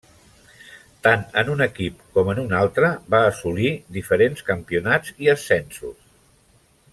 Tant en un equip com en un altre va assolir diferents campionats i ascensos.